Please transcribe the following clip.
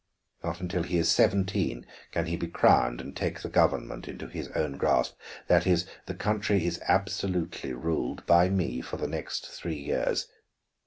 Not until he is seventeen can he be crowned and take the government in his own grasp; that is, the country is absolutely ruled by me for the next three years.